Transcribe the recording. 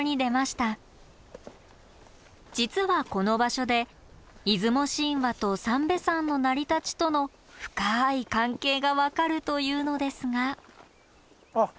実はこの場所で出雲神話と三瓶山の成り立ちとの深い関係が分かるというのですがあっ！